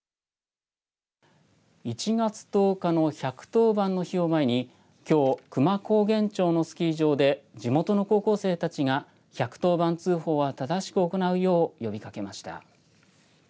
１月１０日の１１０番の日を前にきょう、久万高原町のスキー場で地元の高校生たちが１１０番通報は正しく行うよう呼びかけました。